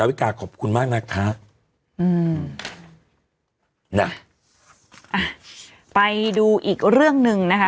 วิกาขอบคุณมากนะคะอืมน่ะอ่ะไปดูอีกเรื่องหนึ่งนะคะ